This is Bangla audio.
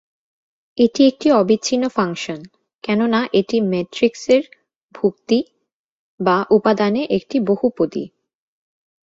এটি একটি অবিচ্ছিন্ন ফাংশন, কেননা এটি ম্যাট্রিক্সের ভুক্তি/ উপাদানে একটি বহুপদী।